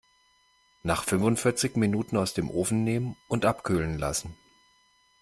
Nach fünfundvierzig Minuten aus dem Ofen nehmen und abkühlen lassen.